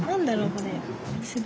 これ。